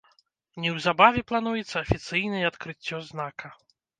Неўзабаве плануецца афіцыйнае адкрыццё знака.